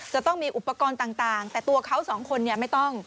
จะต้องมีอุปกรณ์ต่างแต่ตัวเขาสองคนไม่ต้อง